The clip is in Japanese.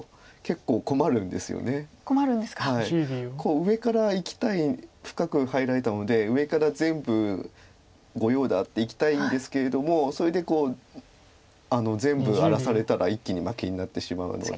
上から深く入られたので上から全部「御用だ！」っていきたいんですけれどもそれで全部荒らされたら一気に負けになってしまうので。